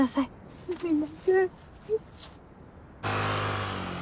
すみません。